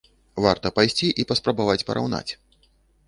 Варта пайсці і паспрабаваць параўнаць.